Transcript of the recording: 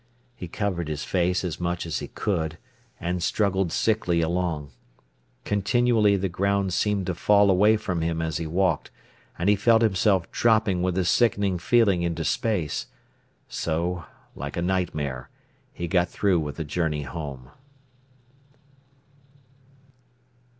He covered his face as much as he could, and struggled sickly along. Continually the ground seemed to fall away from him as he walked, and he felt himself dropping with a sickening feeling into space; so, like a nightmare, he got through with the journey home.